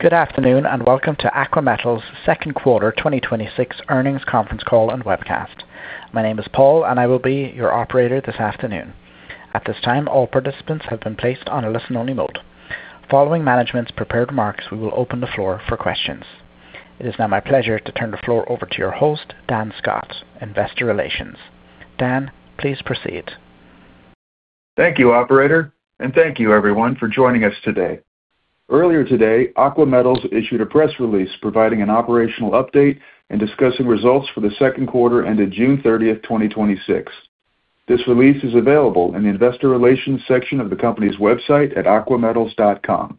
Good afternoon, welcome to Aqua Metals' second quarter 2026 Earnings Conference Call and webcast. My name is Paul, I will be your operator this afternoon. At this time, all participants have been placed on a listen-only mode. Following management's prepared remarks, we will open the floor for questions. It is now my pleasure to turn the floor over to your host, Dan Scott, Investor Relations. Dan, please proceed. Thank you, operator. thank you, everyone, for joining us today. Earlier today, Aqua Metals issued a press release providing an operational update discussing results for the second quarter ended June 30th, 2026. This release is available in the investor relations section of the company's website at aquametals.com.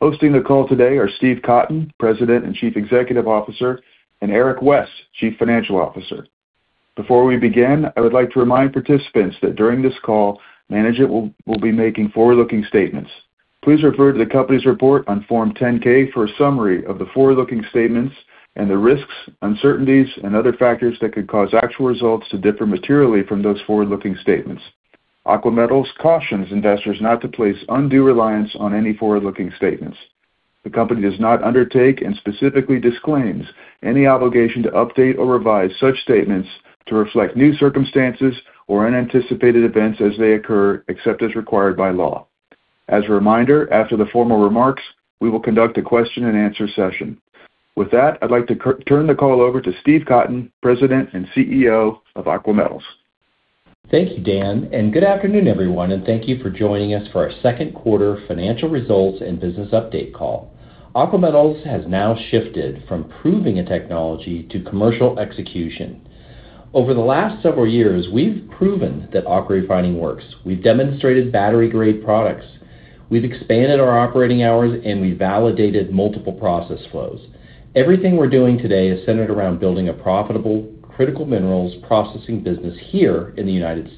Hosting the call today are Steve Cotton, President and Chief Executive Officer, Eric West, Chief Financial Officer. Before we begin, I would like to remind participants that during this call, management will be making forward-looking statements. Please refer to the company's report on Form 10-K for a summary of the forward-looking statements and the risks, uncertainties, and other factors that could cause actual results to differ materially from those forward-looking statements. Aqua Metals cautions investors not to place undue reliance on any forward-looking statements. The company does not undertake specifically to disclaim any obligation to update or revise such statements to reflect new circumstances or unanticipated events as they occur, except as required by law. As a reminder, after the formal remarks, we will conduct a question-and-answer session. With that, I'd like to turn the call over to Steve Cotton, President and CEO of Aqua Metals. Thank you, Dan, good afternoon, everyone. thank you for joining us for our second quarter financial results and business update call. Aqua Metals has now shifted from proving a technology to commercial execution. Over the last several years, we've proven that AquaRefining works. We've demonstrated battery-grade products. We've expanded our operating hours, and we validated multiple process flows. Everything we're doing today is centered around building a profitable critical minerals processing business here in the U.S.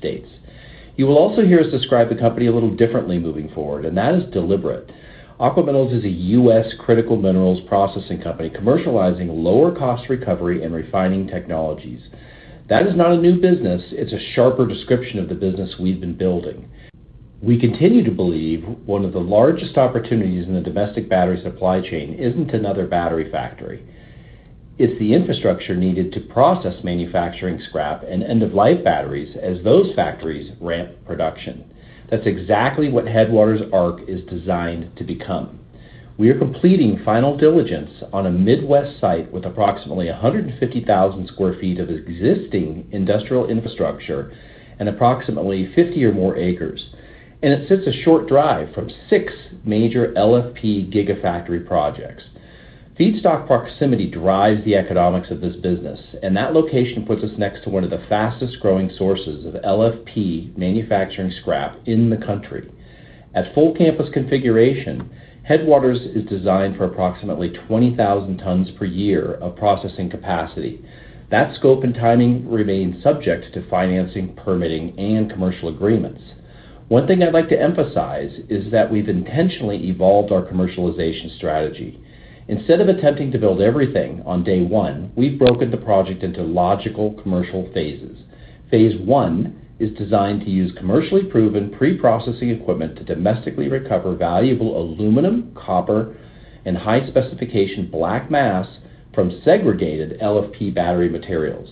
You will also hear us describe the company a little differently moving forward; that is deliberate. Aqua Metals is a U.S. critical minerals processing company commercializing lower-cost recovery and refining technologies. That is not a new business. It's a sharper description of the business we've been building. We continue to believe one of the largest opportunities in the domestic battery supply chain isn't another battery factory. It's the infrastructure needed to process manufacturing scrap and end-of-life batteries as those factories ramp production. That's exactly what Headwaters ARC is designed to become. We are completing final diligence on a Midwest site with approximately 150,000 sq ft of existing industrial infrastructure and approximately 50 or more acres, and it sits a short drive from six major LFP gigafactory projects. Feedstock proximity drives the economics of this business, and that location puts us next to one of the fastest-growing sources of LFP manufacturing scrap in the country. At full campus configuration, Headwaters is designed for approximately 20,000 tons per year of processing capacity. That scope and timing remain subject to financing, permitting, and commercial agreements. One thing I'd like to emphasize is that we've intentionally evolved our commercialization strategy. Instead of attempting to build everything on day one, we've broken the project into logical commercial phases. Phase I is designed to use commercially proven pre-processing equipment to domestically recover valuable aluminum, copper, and high-specification black mass from segregated LFP battery materials.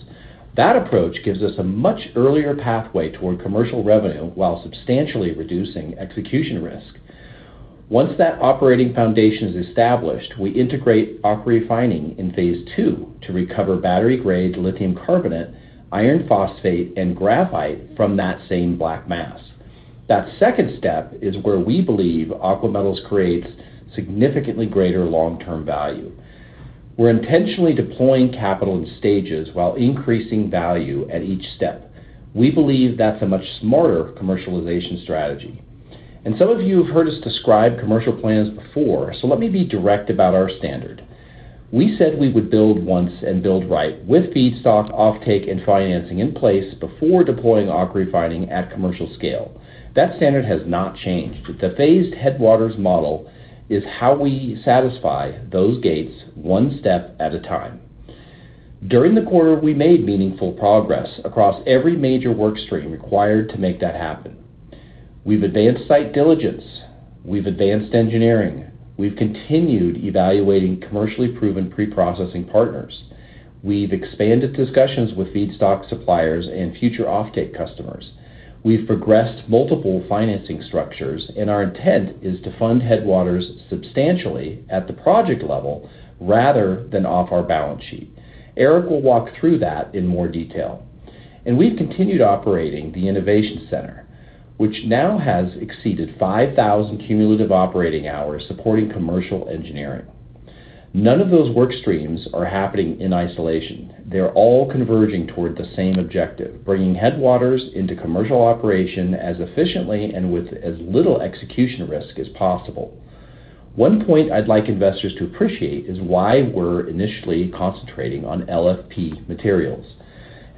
That approach gives us a much earlier pathway toward commercial revenue while substantially reducing execution risk. Once that operating foundation is established, we integrate AquaRefining in phase II to recover battery-grade lithium carbonate, iron phosphate, and graphite from that same black mass. That second step is where we believe Aqua Metals creates significantly greater long-term value. We're intentionally deploying capital in stages while increasing value at each step. We believe that's a much smarter commercialization strategy. Some of you have heard us describe commercial plans before, so let me be direct about our standard. We said we would build once and build right with feedstock, off-take, and financing in place before deploying AquaRefining at a commercial scale. That standard has not changed. The phased Headwaters model is how we satisfy those gates one step at a time. During the quarter, we made meaningful progress across every major work stream required to make that happen. We've advanced site diligence. We've advanced engineering. We've continued evaluating commercially proven pre-processing partners. We've expanded discussions with feedstock suppliers and future offtake customers. We've progressed multiple financing structures, and our intent is to fund Headwaters substantially at the project level rather than off our balance sheet. Eric will walk through that in more detail. We've continued operating the innovation center, which now has exceeded 5,000 cumulative operating hours supporting commercial engineering. None of those work streams are happening in isolation. They're all converging toward the same objective, bringing Headwaters into commercial operation as efficiently and with as little execution risk as possible. One point I'd like investors to appreciate is why we're initially concentrating on LFP materials.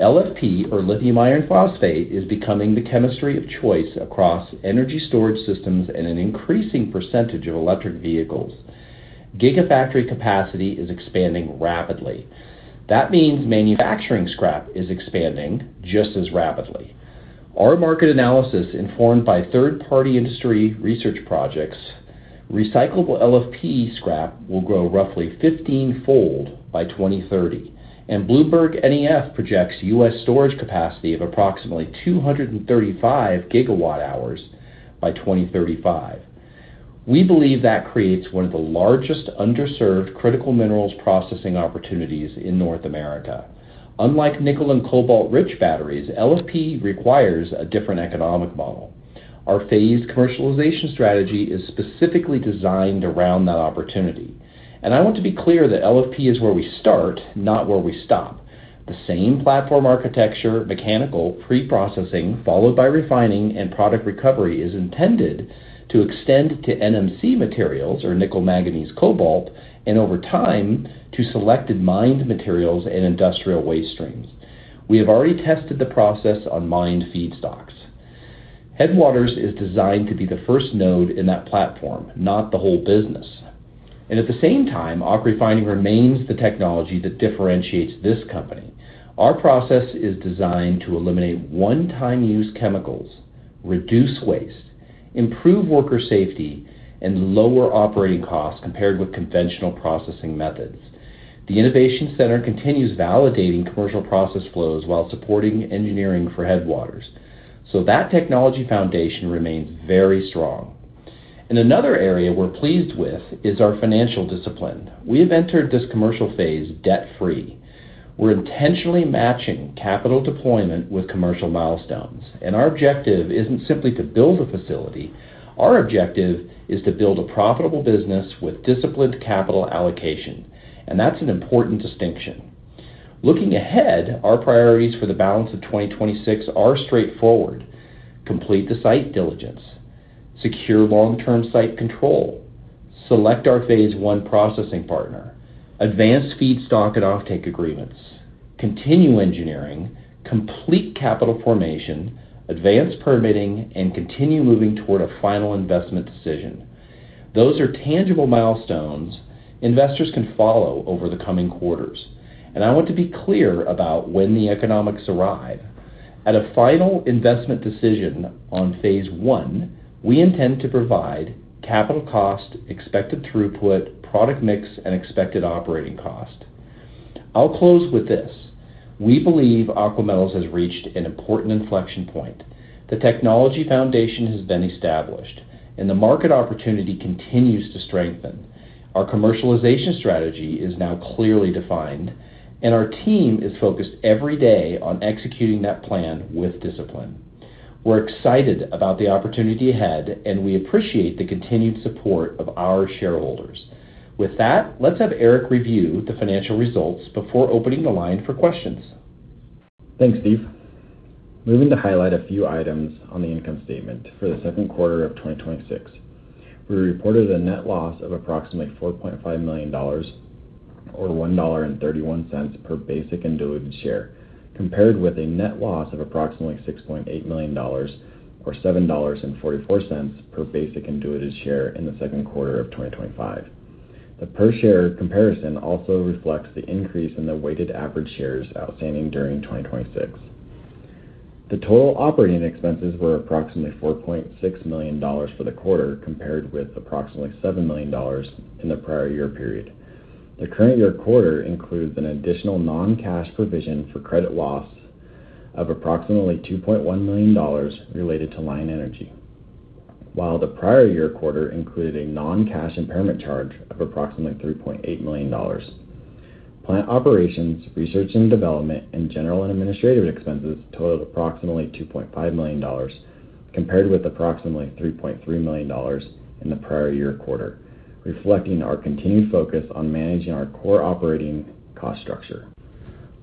LFP, or lithium iron phosphate, is becoming the chemistry of choice across energy storage systems and an increasing percentage of electric vehicles. Gigafactory capacity is expanding rapidly. That means manufacturing scrap is expanding just as rapidly. Our market analysis, informed by third-party industry research projects, recyclable LFP scrap will grow roughly 15-fold by 2030, BloombergNEF projects U.S. storage capacity of approximately 235 gigawatt hours by 2035. We believe that creates one of the largest underserved critical minerals processing opportunities in North America. Unlike nickel and cobalt-rich batteries, LFP requires a different economic model. Our phased commercialization strategy is specifically designed around that opportunity. I want to be clear that LFP is where we start, not where we stop. The same platform architecture, mechanical pre-processing, followed by AquaRefining and product recovery, is intended to extend to NMC materials, or nickel manganese cobalt, and over time, to selected mined materials and industrial waste streams. We have already tested the process on mined feedstocks. Headwaters is designed to be the first node in that platform, not the whole business. At the same time, AquaRefining remains the technology that differentiates this company. Our process is designed to eliminate one-time use chemicals, reduce waste, improve worker safety, and lower operating costs compared with conventional processing methods. The innovation center continues validating commercial process flows while supporting engineering for Headwaters, so that technology foundation remains very strong. Another area we are pleased with is our financial discipline. We have entered this commercial phase debt-free. We are intentionally matching capital deployment with commercial milestones, and our objective is not simply to build a facility. Our objective is to build a profitable business with disciplined capital allocation, and that is an important distinction. Looking ahead, our priorities for the balance of 2026 are straightforward: complete the site diligence, secure long-term site control, select our phase I processing partner, advance feedstock and offtake agreements, continue engineering, complete capital formation, advance permitting, and continue moving toward a final investment decision. Those are tangible milestones investors can follow over the coming quarters. I want to be clear about when the economics arrive. At a final investment decision on phase I, we intend to provide capital cost, expected throughput, product mix, and expected operating cost. I will close with this. We believe Aqua Metals has reached an important inflection point. The technology foundation has been established, and the market opportunity continues to strengthen. Our commercialization strategy is now clearly defined, and our team is focused every day on executing that plan with discipline. We are excited about the opportunity ahead, and we appreciate the continued support of our shareholders. With that, let us have Eric review the financial results before opening the line for questions. Thanks, Steve. Moving to highlight a few items on the income statement for the second quarter of 2026. We reported a net loss of approximately $4.5 million, or $1.31 per basic and diluted share, compared with a net loss of approximately $6.8 million, or $7.44 per basic and diluted share in the second quarter of 2025. The per share comparison also reflects the increase in the weighted average shares outstanding during 2026. The total operating expenses were approximately $4.6 million for the quarter, compared with approximately $7 million in the prior year period. The current year quarter includes an additional non-cash provision for credit loss of approximately $2.1 million related to Lion Energy. While the prior year quarter included a non-cash impairment charge of approximately $3.8 million. Plant operations, research and development, and general and administrative expenses totaled approximately $2.5 million, compared with approximately $3.3 million in the prior year quarter, reflecting our continued focus on managing our core operating cost structure.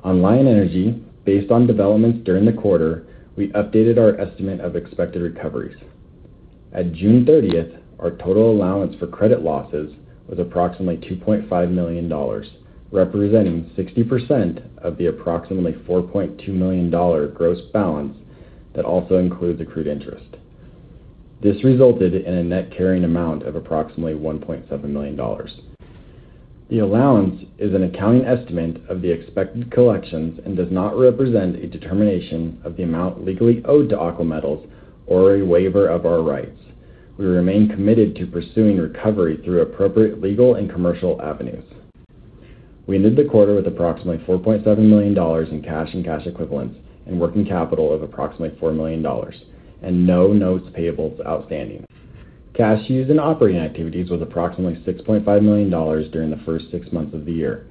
Lion Energy, based on developments during the quarter, we updated our estimate of expected recoveries. At June 30th, our total allowance for credit losses was approximately $2.5 million, representing 60% of the approximately $4.2 million gross balance that also includes accrued interest. This resulted in a net carrying amount of approximately $1.7 million. The allowance is an accounting estimate of the expected collections and does not represent a determination of the amount legally owed to Aqua Metals or a waiver of our rights. We remain committed to pursuing recovery through appropriate legal and commercial avenues. We ended the quarter with approximately $4.7 million in cash and cash equivalents and working capital of approximately $4 million and no notes payables outstanding. Cash used in operating activities was approximately $6.5 million during the first six months of the year.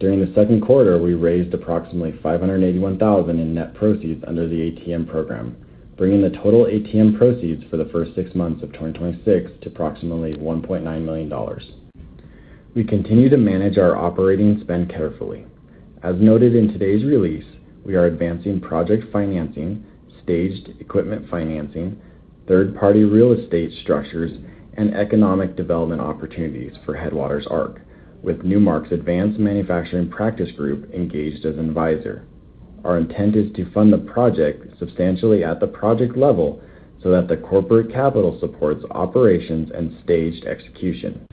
During the second quarter, we raised approximately $581,000 in net proceeds under the ATM program, bringing the total ATM proceeds for the first six months of 2026 to approximately $1.9 million. We continue to manage our operating spend carefully. As noted in today's release, we are advancing project financing, staged equipment financing, third-party real estate structures, and economic development opportunities for Headwaters ARC, with Newmark's advanced manufacturing practice group engaged as an advisor. Our intent is to fund the project substantially at the project level so that the corporate capital supports operations and staged execution.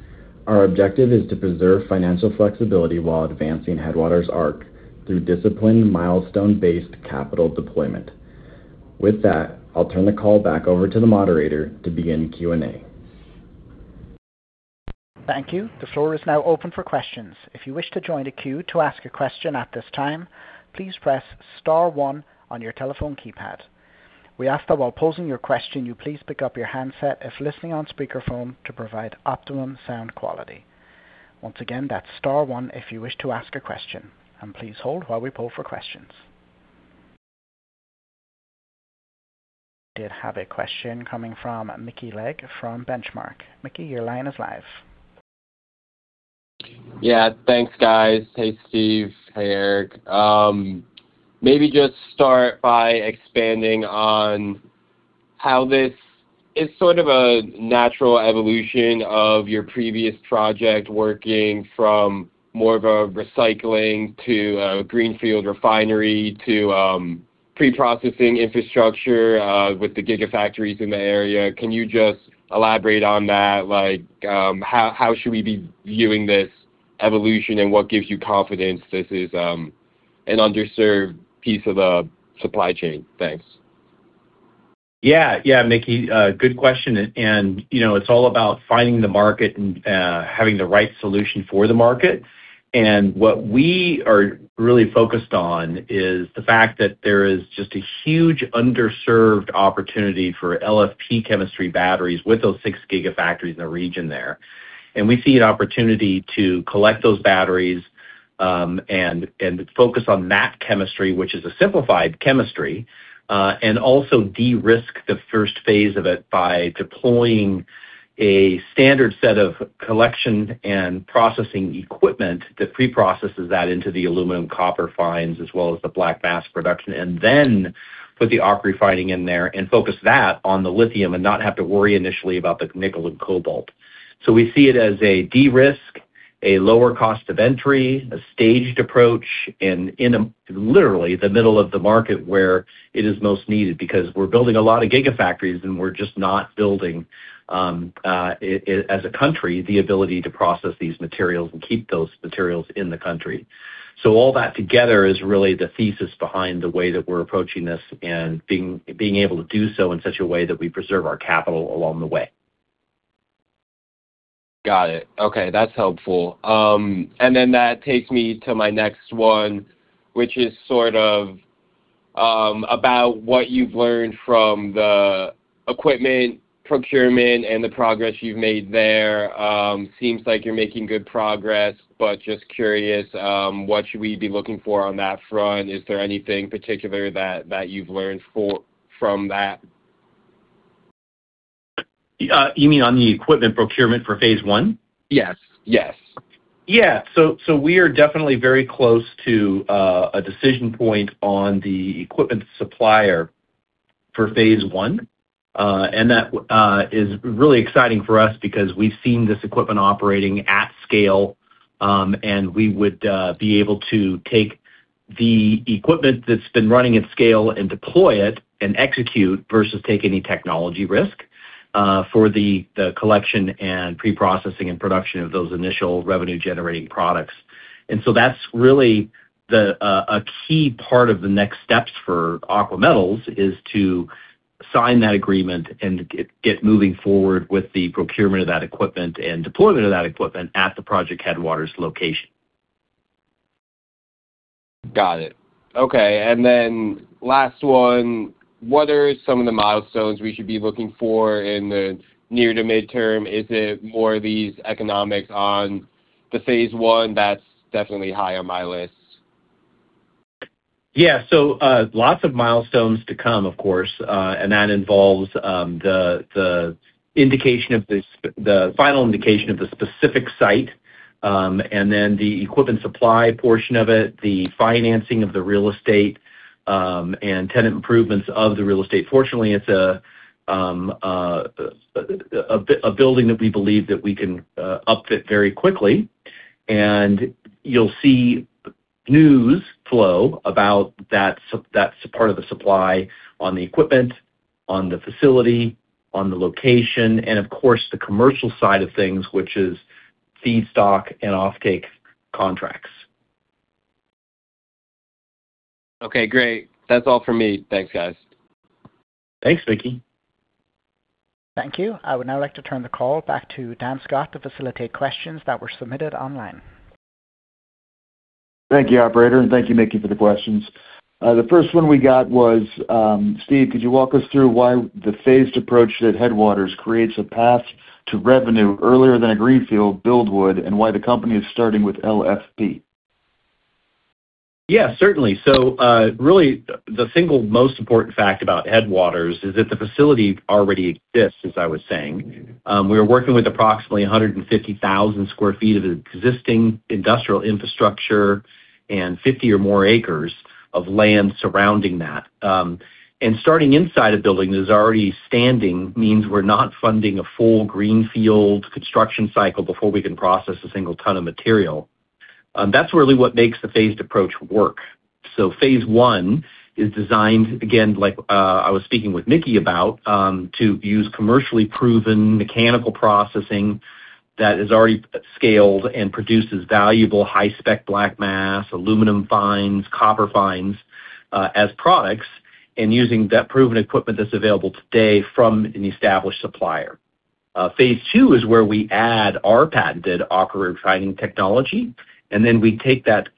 Our objective is to preserve financial flexibility while advancing Headwaters ARC through disciplined milestone-based capital deployment. With that, I'll turn the call back over to the moderator to begin Q&A. Thank you. The floor is now open for questions. If you wish to join the queue to ask a question at this time, please press star one on your telephone keypad. We ask that while posing your question, you please pick up your handset if listening on speakerphone to provide optimum sound quality. Once again, that's star one if you wish to ask a question. Please hold while we poll for questions. We did have a question coming from Mickey Legg from Benchmark. Mickey, your line is live. Yeah. Thanks, guys. Hey, Steve. Hey, Eric. Maybe just start by expanding on how this is sort of a natural evolution of your previous project, working from more of a recycling to a greenfield refinery to pre-processing infrastructure with the gigafactories in the area. Can you just elaborate on that? How should we be viewing this evolution, and what gives you confidence this is an underserved piece of a supply chain? Thanks. Yeah, Mickey. Good question. It's all about finding the market and having the right solution for the market. What we are really focused on is the fact that there is just a huge underserved opportunity for LFP chemistry batteries with those six gigafactories in the region there. We see an opportunity to collect those batteries and focus on that chemistry, which is a simplified chemistry. Also de-risk the first phase of it by deploying a standard set of collection and processing equipment that pre-processes that into the aluminum, copper fines as well as the black mass production, and then put the AquaRefining in there and focus that on the lithium and not have to worry initially about the nickel and cobalt. We see it as a de-risk, a lower cost of entry, a staged approach in literally the middle of the market where it is most needed because we're building a lot of gigafactories and we're just not building, as a country, the ability to process these materials and keep those materials in the country. All that together is really the thesis behind the way that we are approaching this and being able to do so in such a way that we preserve our capital along the way. Got it. Okay, that's helpful. That takes me to my next one, which is sort of about what you've learned from the equipment procurement and the progress you've made there. Seems like you're making good progress, but just curious, what should we be looking for on that front? Is there anything particular that you've learned from that? You mean the equipment procurement for phase one? Yes. Yeah. We are definitely very close to a decision point on the equipment supplier for phase one. That is really exciting for us because we've seen this equipment operating at scale, and we would be able to take the equipment that's been running at scale and deploy it and execute versus take any technology risk for the collection and pre-processing and production of those initial revenue-generating products. That's really a key part of the next steps for Aqua Metals is to sign that agreement and get moving forward with the procurement of that equipment and deployment of that equipment at the Project Headwaters location. Got it. Okay, then last one. What are some of the milestones we should be looking for in the near to midterm? Is it more of these economics in phase one that's definitely high on my list? Yeah. Lots of milestones to come, of course. That involves the final indication of the specific site and then the equipment supply portion of it, the financing of the real estate, and tenant improvements of the real estate. Fortunately, it's a building that we believe that we can upfit very quickly. You'll see news flow about that part of the supply on the equipment, on the facility, on the location, and, of course, on the commercial side of things, which is feedstock and offtake contracts. Okay, great. That's all for me. Thanks, guys. Thanks, Mickey. Thank you. I would now like to turn the call back to Dan Scott to facilitate questions that were submitted online. Thank you, operator, and thank you Mickey for the questions. The first one we got was, Steve, could you walk us through why the phased approach at Headwaters creates a path to revenue earlier than a greenfield build would, and why the company is starting with LFP? Yeah, certainly. Really the single most important fact about Headwaters is that the facility already exists, as I was saying. We're working with approximately 150,000 sq ft of existing industrial infrastructure and 50 or more acres of land surrounding that. Starting inside a building that is already standing means we're not funding a full greenfield construction cycle before we can process a single ton of material. That's really what makes the phased approach work. Phase I is designed, again, like I was speaking with Mickey about, to use commercially proven mechanical processing that is already scaled and produces valuable high-spec black mass, aluminum fines, copper fines as products, and using that proven equipment that's available today from an established supplier. Phase II is where we add our patented AquaRefining technology, and then we take that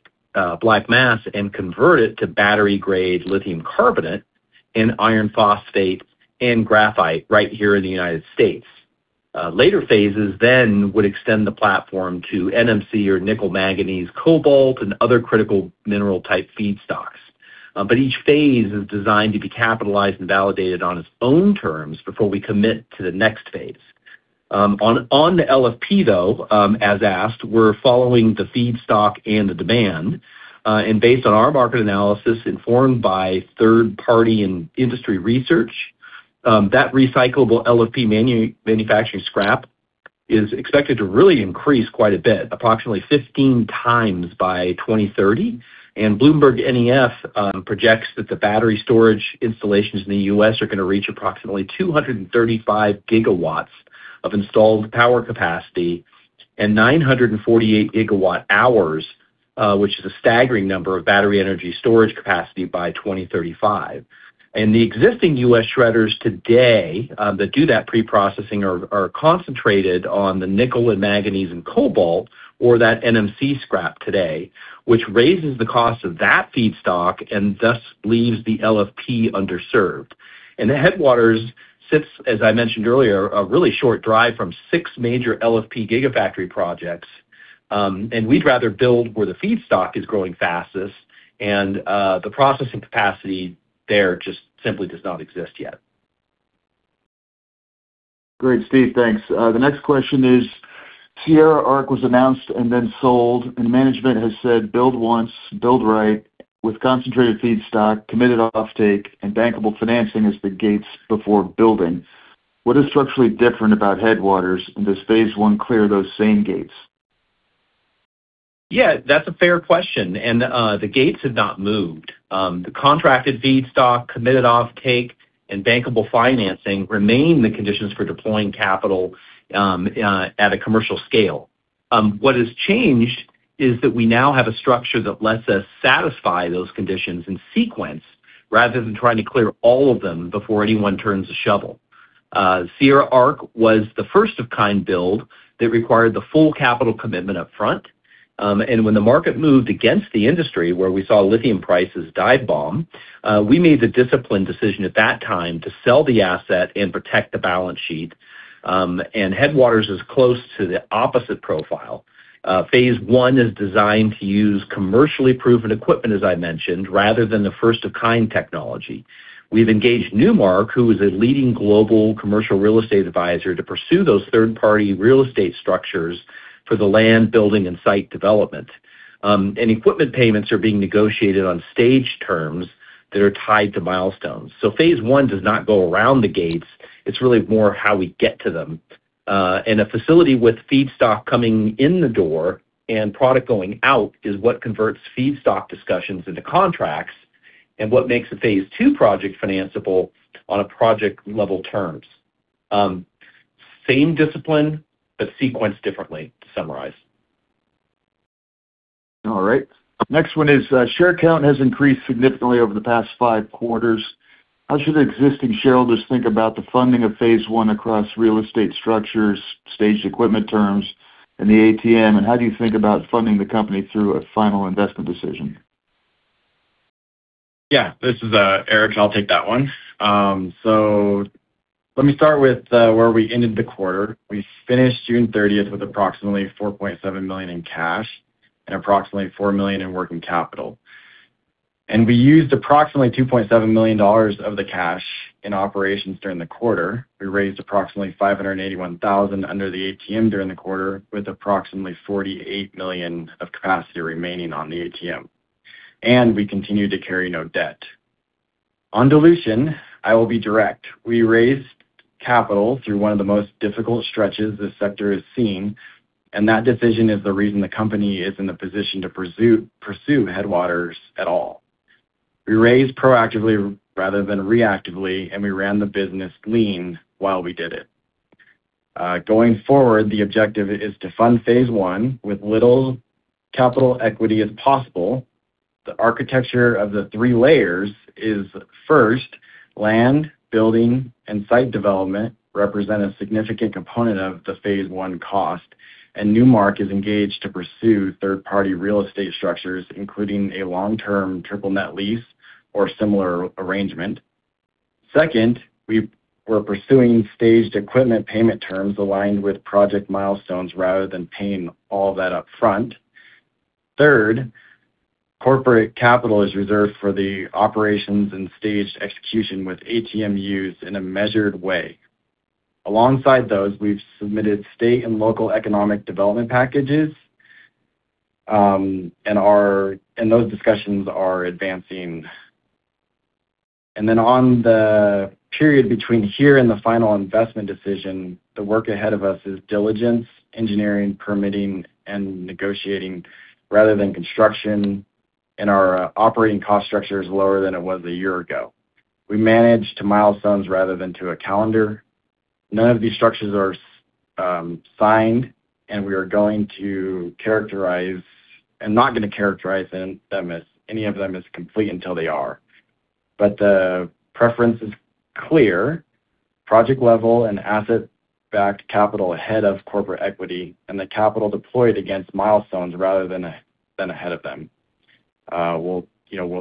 black mass and convert it to battery-grade lithium carbonate and iron phosphate and graphite right here in the U.S. Later phases would extend the platform to NMC, or nickel-manganese-cobalt, and other critical mineral-type feedstocks. Each phase is designed to be capitalized and validated on its own terms before we commit to the next phase. On the LFP, though, as asked, we're following the feedstock and the demand. Based on our market analysis informed by third-party and industry research, recyclable LFP manufacturing scrap is expected to really increase quite a bit, approximately 15x, by 2030. BloombergNEF projects that the battery storage installations in the U.S. are going to reach approximately 235 GW of installed power capacity and 948 GW hours, which is a staggering number of battery energy storage capacity by 2035. The existing U.S. shredders today that do that pre-processing are concentrated on the nickel and manganese and cobalt or that NMC scrap today, which raises the cost of that feedstock and thus leaves the LFP underserved. The Headwaters sits, as I mentioned earlier, a really short drive from six major LFP gigafactory projects. We'd rather build where the feedstock is growing fastest and the processing capacity there just simply does not exist yet. Great, Steve. Thanks. The next question is, Sierra ARC was announced and then sold, and management has said, "Build once, build right with concentrated feedstock, committed toftake, and bankable financing as the gates before building." What is structurally different about Headwaters? Does phase I clear those same gates? That's a fair question. The gates have not moved. The contracted feedstock, committed offtake, and bankable financing remain the conditions for deploying capital at a commercial scale. What has changed is that we now have a structure that lets us satisfy those conditions in sequence rather than trying to clear all of them before anyone turns a shovel. Sierra ARC was the first of kind build that required the full capital commitment up front. When the market moved against the industry, where we saw lithium prices dive bomb, we made the disciplined decision at that time to sell the asset and protect the balance sheet. Headwaters is close to the opposite profile. Phase I is designed to use commercially proven equipment, as I mentioned, rather than the first of kind technology. We've engaged Newmark, who is a leading global commercial real estate advisor, to pursue those third-party real estate structures for the land building and site development. Equipment payments are being negotiated on staged terms that are tied to milestones. Phase I does not go around the gates. It's really more how we get to them. A facility with feedstock coming in the door and product going out is what converts feedstock discussions into contracts and what makes a phase II project financeable on a project level terms. Same discipline, but sequenced differently, to summarize. Next one is share count has increased significantly over the past five quarters. How should existing shareholders think about the funding of phase I across real estate structures, staged equipment terms, and the ATM? How do you think about funding the company through a final investment decision? This is Eric; I'll take that one. Let me start with where we ended the quarter. We finished June 30th with approximately $4.7 million in cash and approximately $4 million in working capital. We used approximately $2.7 million of the cash in operations during the quarter. We raised approximately $581,000 under the ATM during the quarter, with approximately $48 million of capacity remaining on the ATM. We continued to carry no debt. On dilution, I will be direct. We raised capital through one of the most difficult stretches this sector has seen, and that decision is the reason the company is in the position to pursue Headwaters at all. We raised proactively rather than reactively, and we ran the business lean while we did it. Going forward, the objective is to fund phase I with as little capital equity as possible. The architecture of the three layers—first, land, building, and site development—represents a significant component of the phase I cost. Newmark is engaged to pursue third-party real estate structures, including a long-term triple net lease or similar arrangement. Second, we were pursuing staged equipment payment terms aligned with project milestones rather than paying all that upfront. Third, corporate capital is reserved for the operations and staged execution with ATM use in a measured way. Alongside those, we've submitted state and local economic development packages. Those discussions are advancing. In the period between here and the final investment decision, the work ahead of us is diligence, engineering, permitting, and negotiating rather than construction, and our operating cost structure is lower than it was a year ago. We manage to milestones rather than to a calendar. None of these structures are signed, and we are not going to characterize any of them as complete until they are. The preference is clear. Project level and asset-backed capital ahead of corporate equity and the capital deployed against milestones rather than ahead of them. We'll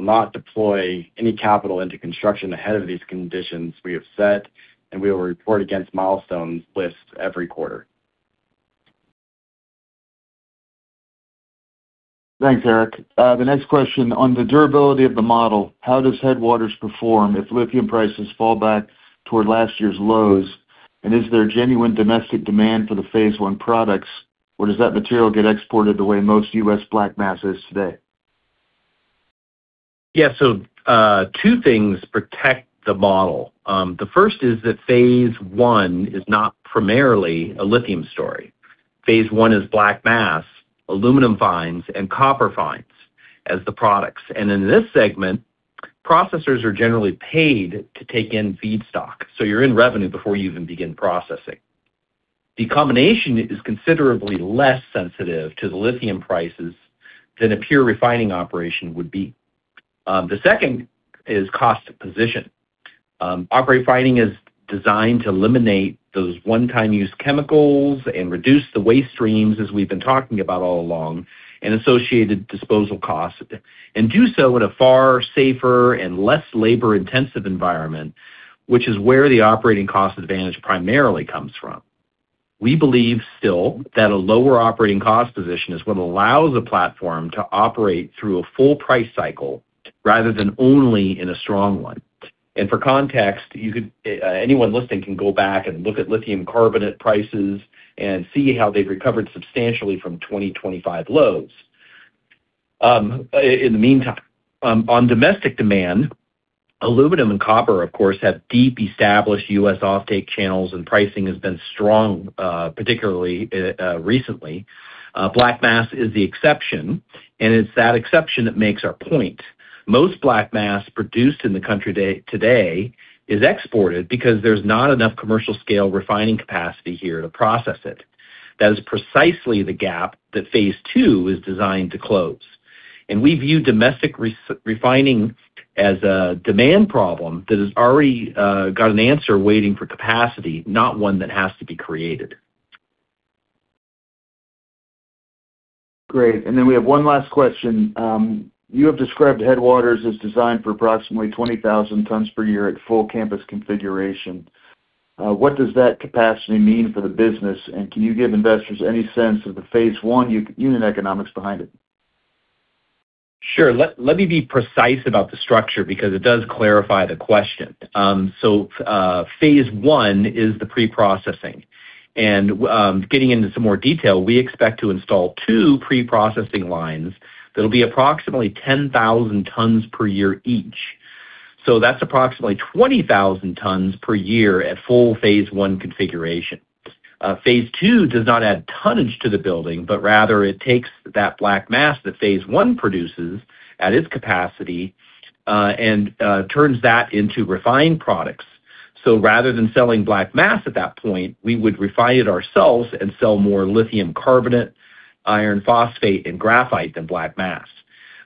not deploy any capital into construction ahead of these conditions we have set, and we will report against milestones lists every quarter. Thanks, Eric. The next question, on the durability of the model, is, how does Headwaters perform if lithium prices fall back toward last year's lows? Is there genuine domestic demand for the phase I products, or does that material get exported the way most U.S. black mass is today? Yeah. Two things protect the model. The first is that phase I is not primarily a lithium story. Phase I is black mass, aluminum fines, and copper fines as the products. In this segment, processors are generally paid to take in feedstock, so you're in revenue before you even begin processing. The combination is considerably less sensitive to the lithium prices than a pure refining operation would be. The second is cost position. AquaRefining is designed to eliminate those one-time-use chemicals and reduce the waste streams, as we've been talking about all along, and associated disposal costs, and do so in a far safer and less labor-intensive environment, which is where the operating cost advantage primarily comes from. We believe still that a lower operating cost position is what allows a platform to operate through a full-price cycle rather than only in a strong one. For context, anyone listening can go back and look at lithium carbonate prices and see how they've recovered substantially from 2025 lows. In the meantime, on domestic demand, aluminum and copper, of course, have deep established U.S. offtake channels, and pricing has been strong, particularly recently. Black mass is the exception, and it's that exception that makes our point. Most black mass produced in the country today is exported because there's not enough commercial-scale refining capacity here to process it. That is precisely the gap that phase II is designed to close. We view domestic refining as a demand problem that has already got an answer waiting for capacity, not one that has to be created. Great. Then we have one last question. You have described Headwaters as designed for approximately 20,000 tons per year at full campus configuration. What does that capacity mean for the business, and can you give investors any sense of the phase I unit economics behind it? Sure. Let me be precise about the structure because it does clarify the question. Phase I is the pre-processing. Getting into some more detail, we expect to install two pre- processing lines that'll be approximately 10,000 tons per year each. That's approximately 20,000 tons per year at the full-phase I configuration. Phase II does not add tonnage to the building, but rather it takes that black mass that phase I produces at its capacity and turns that into refined products. Rather than selling black mass at that point, we would refine it ourselves and sell more lithium carbonate, iron phosphate, and graphite than black mass.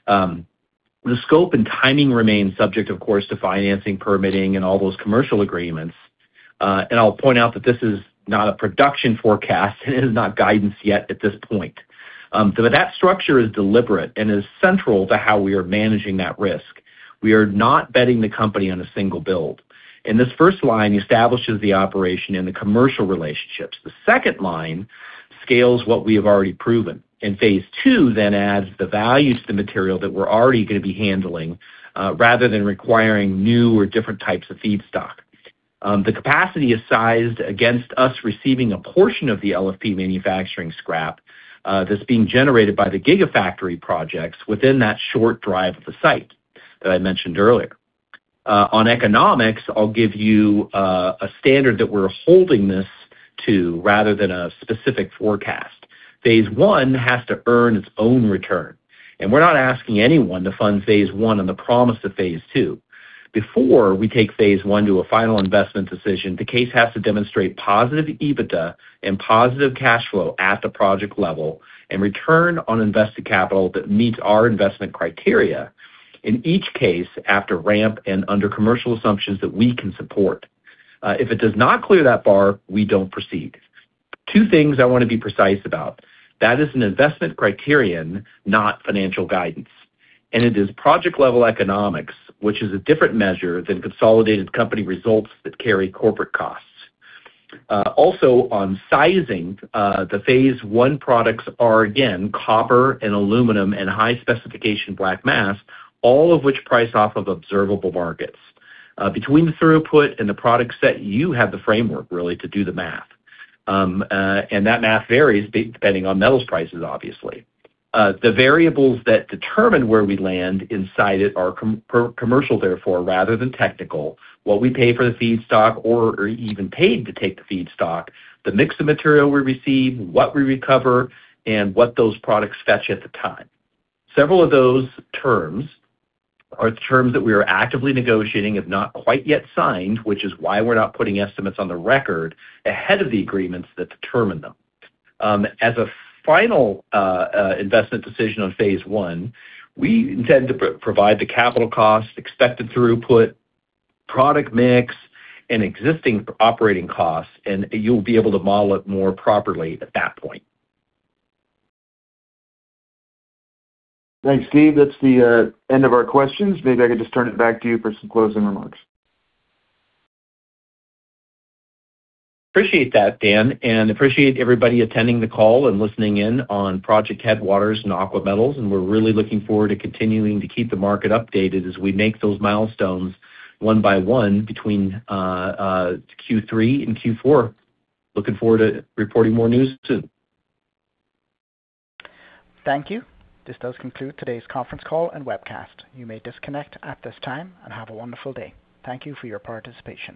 The scope and timing remain subject, of course, to financing, permitting, and all those commercial agreements. I'll point out that this is not a production forecast, and it is not guidance yet at this point. That structure is deliberate and is central to how we are managing that risk. We are not betting the company on a single build. This first line establishes the operation and the commercial relationships. The second line scales what we have already proven. Phase II then adds the value to the material that we're already going to be handling, rather than requiring new or different types of feedstock. The capacity is sized against us receiving a portion of the LFP manufacturing scrap that's being generated by the Gigafactory projects within that short drive of the site that I mentioned earlier. On economics, I'll give you a standard that we're holding this to rather than a specific forecast. Phase I has to earn its own return. We're not asking anyone to fund phase I on the promise of phase II. Before we take phase I to a final investment decision, the case has to demonstrate positive EBITDA and positive cash flow at the project level and return on invested capital that meets our investment criteria in each case after ramp-up and under commercial assumptions that we can support. If it does not clear that bar, we don't proceed. Two things I want to be precise about. That is an investment criterion, not financial guidance. It is project-level economics, which is a different measure than consolidated company results that carry corporate costs. On sizing, the phase I products are, again, copper and aluminum and high-specification black mass, all of which are priced off of observable markets. Between the throughput and the product set, you have the framework really to do the math. That math varies depending on metal prices, obviously. The variables that determine where we land inside it are commercial, therefore rather than technical, what we pay for the feedstock or even paid to take the feedstock, the mix of material we receive, what we recover, and what those products fetch at the time. Several of those terms are terms that we are actively negotiating and have not quite yet signed, which is why we're not putting estimates on the record ahead of the agreements that determine them. As a final investment decision on phase I, we intend to provide the capital cost, expected throughput, product mix, and existing operating costs, and you'll be able to model it more properly at that point. Thanks, Steve. That's the end of our questions. Maybe I could just turn it back to you for some closing remarks. Appreciate that, Dan, and appreciate everybody attending the call and listening in on Project Headwaters and Aqua Metals. We're really looking forward to continuing to keep the market updated as we make those milestones one by one between Q3 and Q4. Looking forward to reporting more news soon. Thank you. This does conclude today's conference call and webcast. You may disconnect at this time, and have a wonderful day. Thank you for your participation.